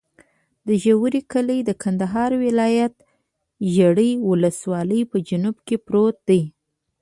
د ژرۍ کلی د کندهار ولایت، ژرۍ ولسوالي په جنوب کې پروت دی.